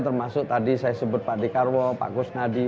termasuk tadi saya sebut pak dekarwo pak gus nadi